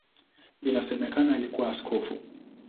Inasemekana alikuwa askofu.